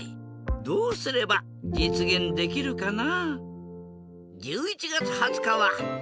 どうすればじつげんできるかな？